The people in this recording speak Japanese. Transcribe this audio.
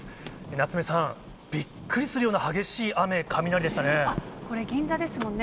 夏目さん、びっくりするような激しい雨、雷でしたね。